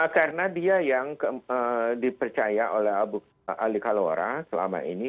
karena dia yang dipercaya oleh abu ali kalora selama ini